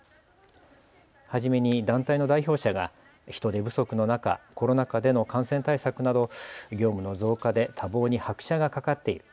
初めに団体の代表者が人手不足の中、コロナ禍での感染対策など業務の増加で多忙に拍車がかかっている。